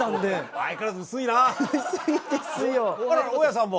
あら大家さんも。